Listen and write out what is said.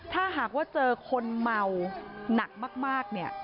ถ้าหากว่าเจอคนเมาหนักมากเนี่ย